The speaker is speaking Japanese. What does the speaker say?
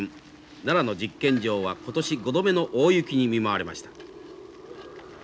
奈良の実験場は今年５度目の大雪に見舞われました。